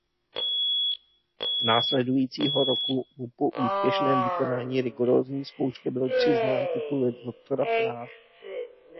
Následujícího roku mu po úspěšném vykonání rigorózní zkoušky byl přiznán titul doktora práv.